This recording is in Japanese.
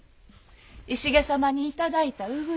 石毛様に頂いたうぐいすの。